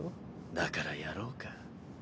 だからやろうか？